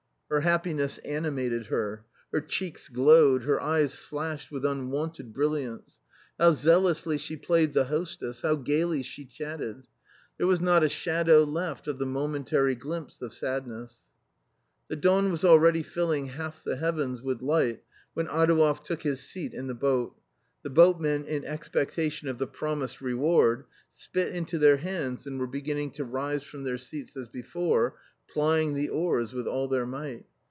Her happiness animated her. Her cheeks glowed, her eyes flashed with unwonted brilliance. How zealously she played the hostess, how gaily she. chatted! There was not a shadow left of the momentary glimpse of sad ness. The dawn was already filling half the heavens with light when Adouev took his seat in the boat. The boatmen in expectation of the promised reward, spit into their hands and were beginning to rise from their seats as before, plying the oars with all their might.